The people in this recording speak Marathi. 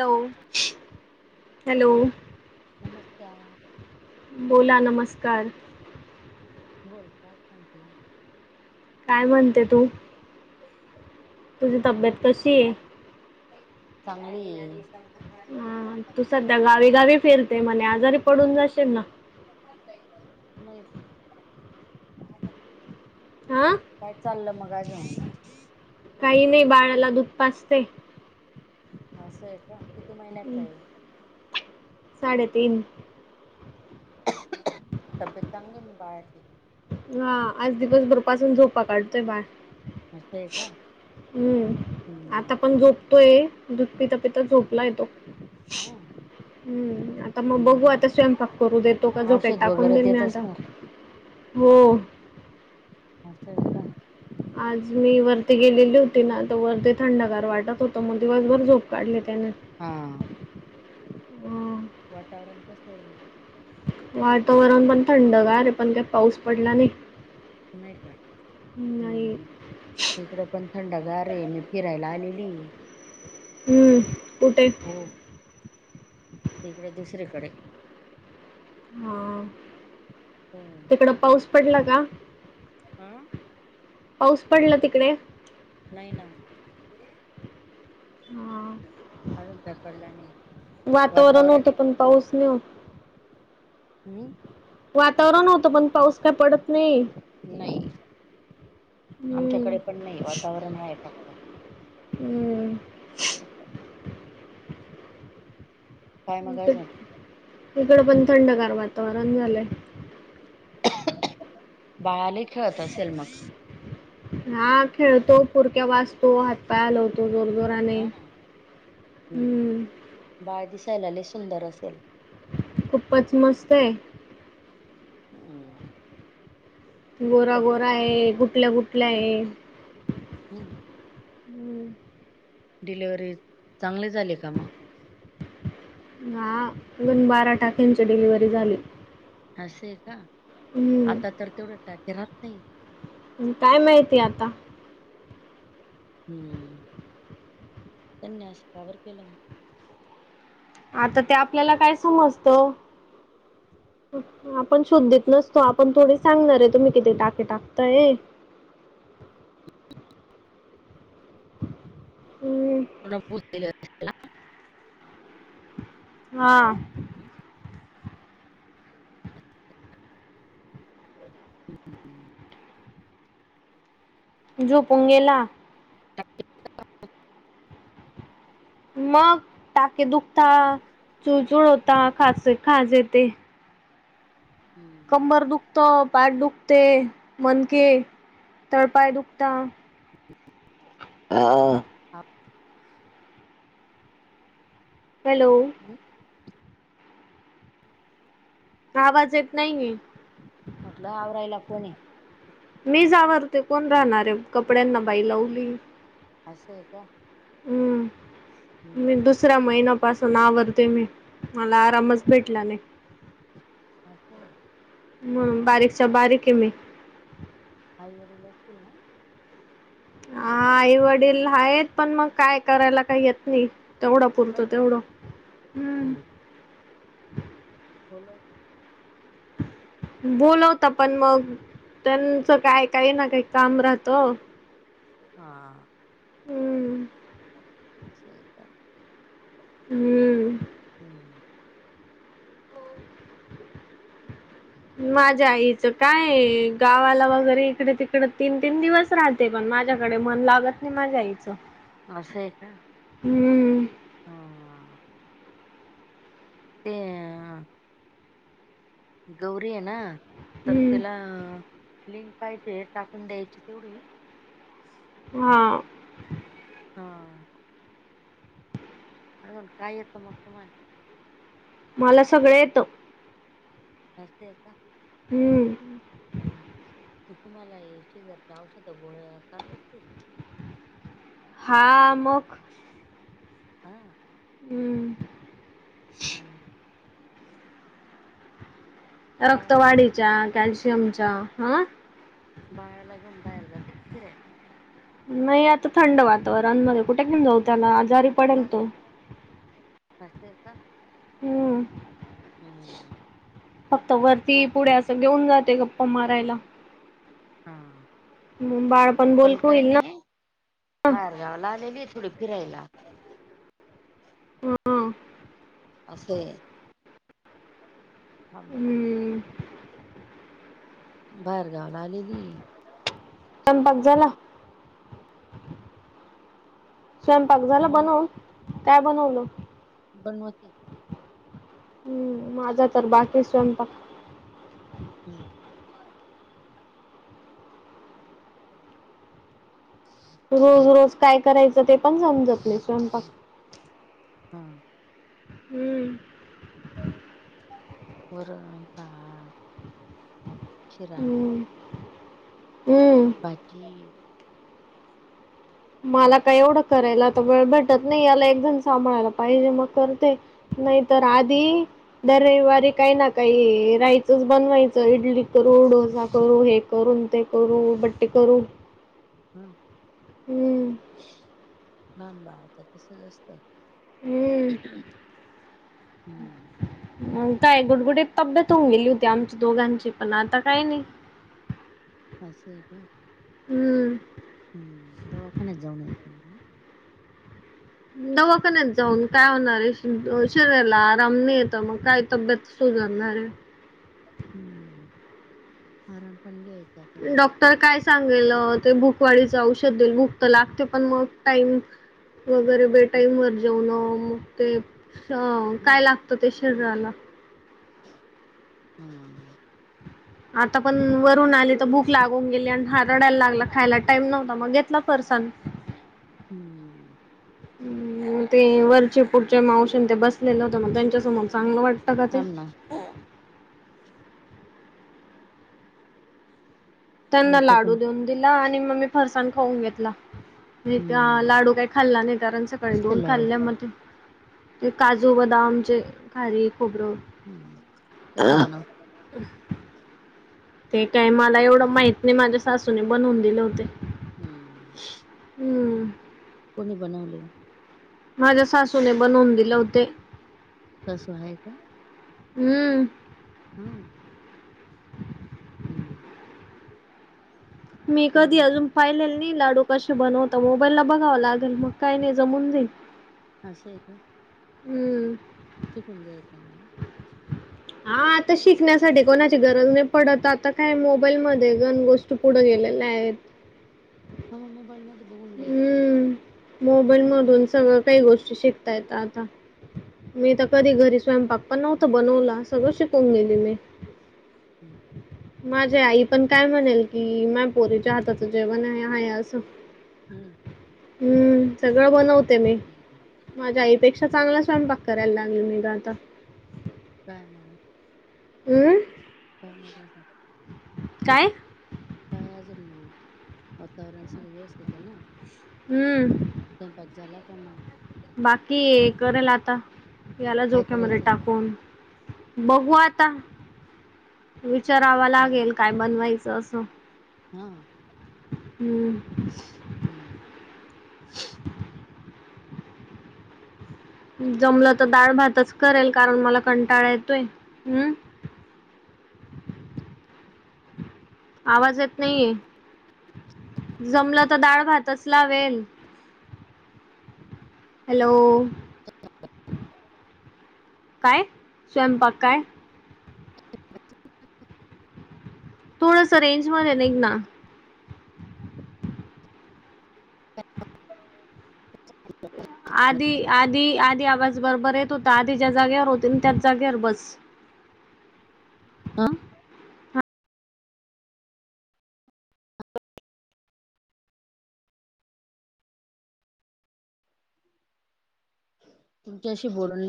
हॅलो हॅलो नमस्कार! बोला, नमस्कार! बोल काय सांगते काय म्हणते तू तुझी काय तब्येत कशी आहे काय चांगली हे [inaudible] गावे गावे फेर ते म्हणे आजारी पडून जाशील ना [inaudible] नाही [inaudible] आं काय चाललं मग आज काही नाही बाळाला दुध पाजते. असं आहे का किती महिन्याच आहे? साडे तीन [inaudible] तब्येत चांगली आहे म बाळाची हा आज दिवसभरपासून झोपा काढतोय बाळ. असतय का? हम्म आता हम्म पण झोपतोय दूध पिता पिता झोपलाय तो हा हम्म आता मग बघू आता हम्म स्वयंपाक करू देतो का झोक्यात औषध टाकून वगैरे देईन मी देत आता असणार हो असय का? आज मी वरती गेलेली होती ना तर वरती थंडगार वाटत होत मग दिवसभर झोप काढली त्याने हा अं, वातावरण कस आहे वातावरण पण थंडगार पण काय पाऊस पडला नाही नाही का? नाही हम्म इकडं पण थंडगार आहे मी फिरायला आलेली हम्म कुठे हो तिकडे दुसरीकडे हा हम तिकड पाऊस पडला का हा पाऊस पडला तिकडे नाही ना हां अजून पडला नाही वातावरणही फक्त स्णो हम्म वातावरण होतं पण पाऊस का पडत नाही नाही हम्म, आमच्याकडे पण नाही वातावरण आहे फक्त हम काय मग अजून तिकड पण थंडग वातावरण झालंय बाळाला खेळत असेल मग हा खेळतो पुरक्या वाजतो ह पायलवतो जोर जोराने हा हम्म बाळ दिसायलाले सुंदर असेल खूपच मस्त आहे हो गोरा गोरा चांगली आहे ना गुठल्या गुटल्या आहे हम्म हं. डिलव्हरी चांगली झाली का मग हा अून बारा टाकेंची डिलिवररी झाली असे का हं. आता तर तेवढं टाके राहत नाही काय माहितीय आता हम्म त्यांनी अस कवर केलं मग आता ते आपल्याला काय समजत आपण शोधत नसतो तो आपण थोडी सांगणार आहे तुम्ही किती टाके टाकताय हम्म कोण भूल दिलं? हा जो पोंगेला मग टाके दुखता चुळचुड होता ख खाज येत हम्म कंबर दुखतो पाट दुखते मनके तळपाय दुखता हा हा हॅलो हम्म, आवाज येत नाही म्हटलं आवरायला कोणे मी जावरते कोण राहणारे कपड्यांना बाई लावली असं आहे का हम्म म हम्म दुसरा महिना ्ासून आवरते मी मला आरामच भेटला नाही असचछ हम बारीकच्या बारीक आहे मी आई वडील असतील ना हा आई वडील आहेत पण मग काय करायला काही येत नाही तेवढा पुरत नाही का तेवढं हम्म बोलय का बोोलवता पण मग त्यांचं काय काही ना काही काम राहतं हा हम्म स का हम्म हम्म माझ्या आईचं काय गावाला वगैरे इकडे तिकडे तीन तीन दिवस राहते पण माझ्याकडे मन लागत नाही माझ्या आईचं असं आहे का हम्म हा ते अ गौरी आहे ना तर हम्म तिला लिंक पाहिजे टाकून द्यायची तेवढी हा हा अून काहीत् मक्कुमान मला सगळं येतं नस्त का हम्म हम् तुम्हाला शेजारच्या औषध गोळ्या चालू असतील हा मग हा हम्म ह बाळाला घेऊन रक्तवाढीच्या बाहेर कॅल्शियमच्या हा बाळाला ला घेऊन बाहेर जात ति रे नाही आता थंड वातावरण मध्ये कुठे घेऊ जाऊ त्याला आजारी पडेल हम तो. अस का हम्म हम्म फक्त हा वरती पुढे असं घेऊन जाते गप्पा मारायला हा मग बाळ मी पण बोलकं काय होईल ना. नाही बाहेरगावाला आलेली थोडी फिरायला हा अस असे थांना हम्म बाहेरगावला आलेली संपाक झाला स्वयंपाक झाला मग बनवून काय बनवलं बनवते हम् माझा तर बाकी स्वयंपाक हम्म रोज रोज काय करायचं ते पण समजतले स्वयंपाक हा हम्म हो का शिरा हम्म हम्म बाजी मला असं काय एवढं करायला आता वेळ भेटत नाही याला एकदण सांभाळायला पाहिजे मग करते नाही तरर हा आधी दरविवारी काही ना काही राहायचंच बनवायचं इडली करू डोसा करू हे करून ते करू बट्टे करू हम् हम्म लहान बाळाचं कस अस असत हम्म हम्म काय गुडगुडी तब्येत होऊन गेली होती आमच्या दोघांची पण आता काय नाही अससं आहे का हम्म. हम्म दवाखान्यात जाऊन यक ना दवख नाहीत जाऊन काय होणार आहे शरीराला आराम नाही येत मग काय तब्येत सुझणार आहे हम्म आराम पण घ्यायच डॉक्टर काय सांगेल ते भूकवाडी जाऊ औशध देल भुक तर लागते पण मग टाईम वगैरे बेटाईम वर जेवन मग ते काय हम्म लागत ते शरीराला. हम्म आता पण वरून आली तर भूक लागून गेली आणि हा रडायला लागला खायला टाइम नव्हता मग घेतला परसाद. [inaudible] हम्म ते वरचे पुढच्या मावशीने ते बसलेलं होत मग त्यांच्यासमोर चांगलं वाटतं का ते? थांब ना त्यांना आमचं लाडू पण देऊन दिला आणि मग मी फरसाण खाऊन घेतला. नाही हम्म लाडू काही खाल्ला नाही कारण सकाळी दोन कसले लाडू खाल्ल्यामध्ये ते काजू बदामचेे, खारीक, खोबरं. हम्म कस बण [inaudible] ते काय मला एवढं माहित नाही माझ्या सासूने बनवून दिले होते. हम्म हम्म कोणी बनवले. माझ्या सासूने बनवून दिले होते. सासु आहे का? हम्म हां हम्म मी काय मग कधी अजून पाहिलेल नाही लाडू कसे बनवता मोबाईल ला बघावं लागेल मग काय नाही जमून जाईल. असंय का हम्म चिकून घ्यायचं ना मग. हा आता शिकण्यासाठी कोणाची गरज नाही पडत आता काय मोबाईल मध्ये गन गोष्टी पुढे गेलेल्या आहेत. [unintelligible] बल हम्म मोबाईल शिकून मधून घ्यायचं सगळं काही गोष्टी शिक य आता मी तर कधी घरी स्वयंपाक पण नव्हता बनवला. सगळं शिकवून गेली मी हम्म माझी आई पण काय म्हणेल. की माझ्या पोरीचा हाताच जेवण आहे असं. हम्म हम्म सगळं बनवते मी हम्म. माझ्या आईपेक्षा अ चांगला स्वयंपाक करायला लागले मी आता. काय म [unintelligible] हमं [unintelligible] काय? काय अजून मग वातावरण सगळ व्यवस्थित आहे ना हम्म. स्वयंपाक झाला का मग? बाकी करेल आता याला काय झोक्यामध्ये करायचंय टाकून. बघू आता विचाराव हम्म लागेल काय बनवायचं असं? हा हम्म. हम्म जमलं तर दाळ भातच करेल कारण मला कंटाळा येतोय हम्म. आवाज येत नाहीये. जमलं तर डाळ भातच लावेल. हॅलो काय स्वयंपाक काय? थोडस रेंज मध्ये नीघ ना. आधी आधी आधी आवाज बरोबर येत होता आधी ज्या जागेवर होती त्याच जागेवर बस. ह्ं तुमचाशी बोलून लय